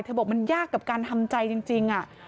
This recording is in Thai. บอกมันยากกับการทำใจจริง